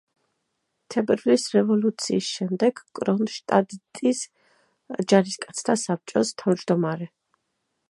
თებერვლის რევოლუციის შემდეგ კრონშტადტის ჯარისკაცთა საბჭოს თავმჯდომარე.